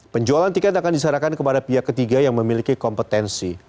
penjualan tiket akan disarankan kepada pihak ketiga yang memiliki kompetensi